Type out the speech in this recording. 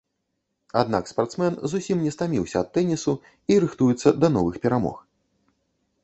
Аднак спартсмен зусім не стаміўся ад тэнісу і рыхтуецца да новых перамог.